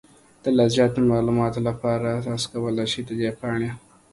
د لا زیاتو معلوماتو لپاره، تاسو کولی شئ د دې پاڼې